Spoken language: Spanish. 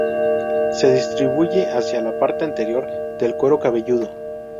Se distribuye hacia la parte anterior del cuero cabelludo.